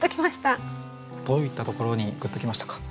どういったところにグッときましたか？